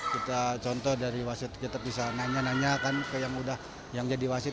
kita contoh dari wasit kita bisa nanya nanya kan ke yang jadi wasit